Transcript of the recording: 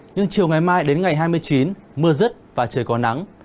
nhưng chiều ngày mai đến ngày hai mươi chín mưa rứt và trời có nắng